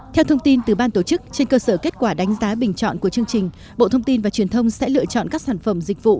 theo thông tin từ ban tổ chức trên cơ sở kết quả đánh giá bình chọn của chương trình bộ thông tin và truyền thông sẽ lựa chọn các sản phẩm dịch vụ